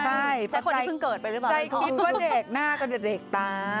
ใช่ใจคิดก็เด็กหน้าก็เด็กตาม